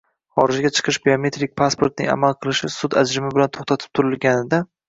xorijga chiqish biometrik pasportning amal qilishi sud ajrimi bilan to‘xtatib turilganida